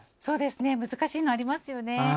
難しいのありますよね。